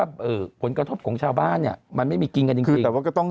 เอ่อผลกระทบของชาวบ้านเนี่ยมันไม่มีกินกันจริงจริงแต่ว่าก็ต้อง